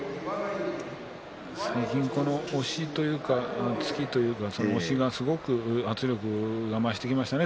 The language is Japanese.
最近押しというか突きというか最近圧力が増してきましたね